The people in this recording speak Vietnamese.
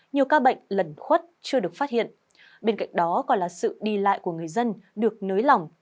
nhiều ca bệnh lần khuất chưa được phát hiện bên cạnh đó còn là sự đi lại của người dân được nới lỏng